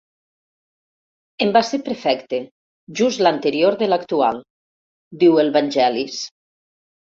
En va ser prefecte, just l'anterior de l'actual —diu el Vangelis.